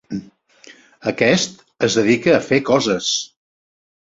Aquest es dedica a fer coses.